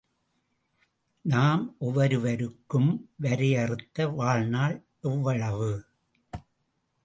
நம் ஒவ்வொருவருக்கும் வரையறுத்த வாழ் நாள் எவ்வளவு?